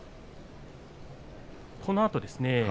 このあとですね。